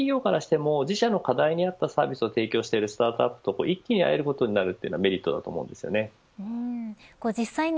また大手企業からしても自社の課題に合ったサービスを提供するスタートアップと一気に会えることになるのもメリットだと思います。